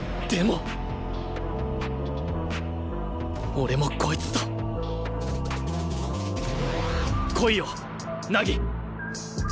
俺もこいつと来いよ凪！